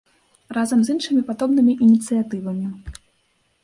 Разам з іншымі падобнымі ініцыятывамі.